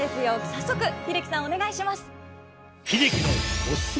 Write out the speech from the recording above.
早速英樹さんお願いします。